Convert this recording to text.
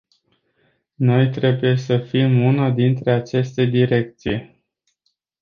Noi trebuie să fim una dintre aceste direcții.